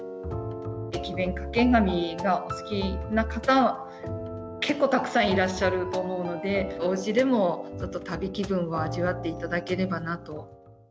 駅弁掛け紙がお好きな方、結構たくさんいらっしゃると思うので、おうちでもちょっと旅気分を味わっていただければなと。